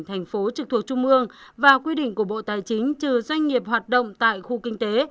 thành phố trực thuộc trung mương và quy định của bộ tài chính trừ doanh nghiệp hoạt động tại khu kinh tế